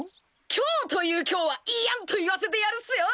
今日という今日はイヤンと言わせてやるっすよ！